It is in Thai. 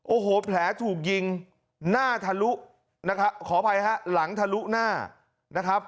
โอ้โหแผลถูกยิงหน้าทะลุนะครับขออภัยฮะหลังทะลุหน้านะครับ